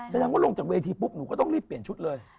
แสดงว่าลงจากเวทีปุ๊บหนูก็ต้องรีบเปลี่ยนชุดเลย